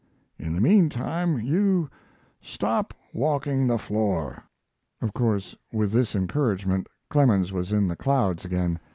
In the mean time you 'stop walking the floor'." Of course, with this encouragement, Clemens was in the clouds again.